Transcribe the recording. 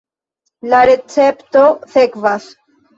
La recepto sekvas.